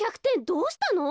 どうしたの？